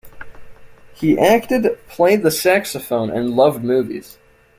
He acted, played the saxophone, and loved movies.